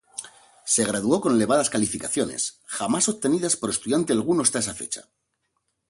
Se graduó con elevadas calificaciones, jamás obtenidas por estudiante alguno hasta esa fecha.